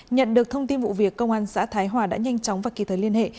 nhận được thông tin vụ việc công an xã thái hòa đã nhanh chóng và kịp thời liên hệ